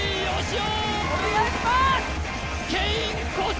お願いします！